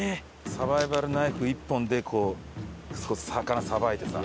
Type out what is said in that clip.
サバイバルナイフ１本でこう魚さばいてさ。